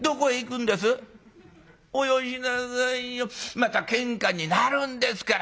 またけんかになるんですから」。